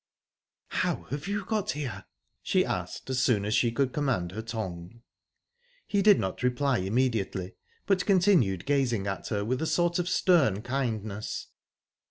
"How have you got here?" she asked, as soon as she could command her tongue. He did not reply immediately, but continued gazing at her with a sort of stern kindness.